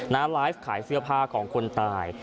ไลฟ์ขายเสื้อผ้าของคนตาย